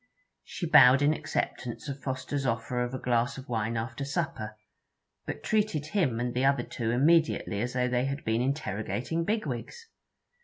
She bowed in acceptance of Fosters offer of a glass of wine after supper, but treated him and the other two immediately as though they had been interrogating bigwigs.